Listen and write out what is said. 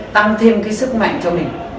tăng thêm cái sức mạnh cho mình